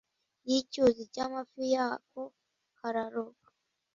y’ icyuzi cy’ amafi yako kararoba